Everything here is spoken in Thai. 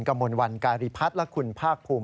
พระแม่ธรณีบีบมวยโผม